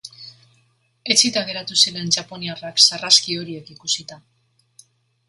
Etsita geratu ziren japoniarrak sarraski horiek ikusita.